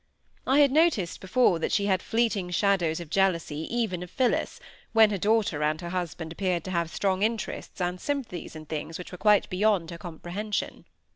I had noticed before that she had fleeting shadows of jealousy even of Phillis, when her daughter and her husband appeared to have strong interests and sympathies in things which were quite beyond her comprehension.